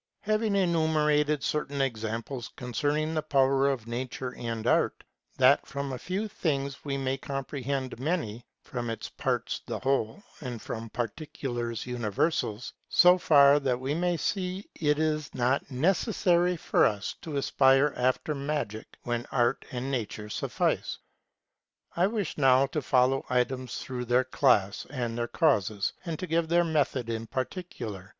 Having enumerated certain examples concerning the power of nature and art, that from a few things we may comprehend many, from its parts the whole, and from particulars universal*, so far that we may see it is not necessary for us to aspire after magic, when art and nature suffice ; I wish now to follow items through their class, and their causes, and to give their method in particular.